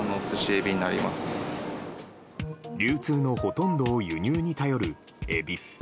流通のほとんどを輸入に頼るエビ。